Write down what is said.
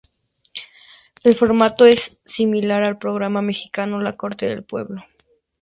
El formato es similar al programa mexicano La corte del pueblo.